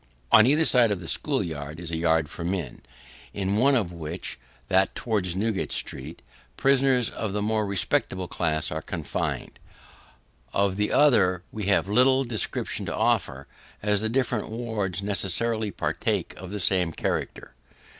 On either side of the school yard is a yard for men, in one of which that towards Newgate street prisoners of the more respectable class are confined. Of the other, we have little description to offer, as the different wards necessarily partake of the same character.